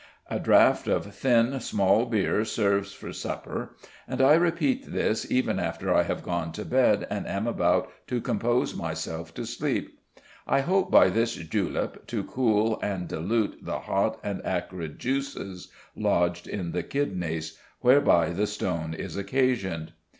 A draught of thin small beer serves for supper, and I repeat this even after I have gone to bed and am about to compose myself to sleep. I hope by this julep to cool and dilute the hot and acrid juices lodged in the kidneys, whereby the stone is occasioned."